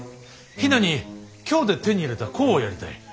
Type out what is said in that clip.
比奈に京で手に入れた香をやりたい。